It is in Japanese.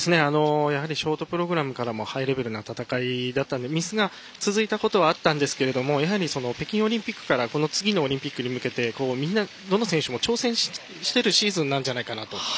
ショートプログラムからハイレベルな戦いだったのでミスが続いたことはあったんですが北京オリンピックからこの次のオリンピックに向けてみんな、どの選手も挑戦しているシーズンなんじゃないかなと。